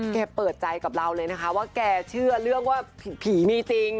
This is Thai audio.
เปิดใจกับเราเลยนะคะว่าแกเชื่อเรื่องว่าผีมีจริง